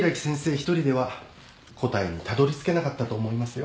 一人では答えにたどりつけなかったと思いますよ。